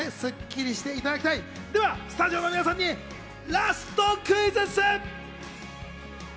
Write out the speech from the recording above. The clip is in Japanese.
スタジオの皆さんにラストクイズッス！